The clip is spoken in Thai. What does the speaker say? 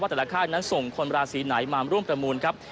แต่ละค่ายนั้นส่งคนราศีไหนมาร่วมประมูลครับ